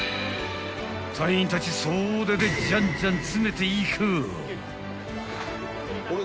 ［隊員たち総出でじゃんじゃん詰めていく］